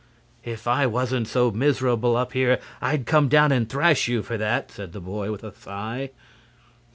"If I wasn't so miserable up here, I'd come down and thrash you for that," said the boy, with a sigh.